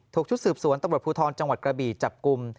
ชุดสืบสวนตำรวจภูทรจังหวัดกระบีจับกลุ่ม